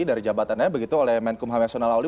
dari jabatannya begitu oleh menkum h w lauli